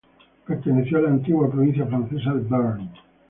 Perteneció a la antigua provincia francesa de Bearn.